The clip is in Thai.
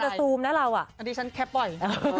ถ้าเค้าจะนะเราอะดิฉันแคปบ่อย